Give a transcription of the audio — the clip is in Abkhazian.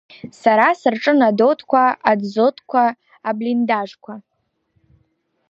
Сара сырҿын адотқәа, адзотқәа, аблиндажқәа.